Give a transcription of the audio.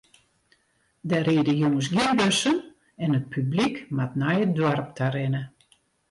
Der ride jûns gjin bussen en it publyk moat nei it doarp ta rinne.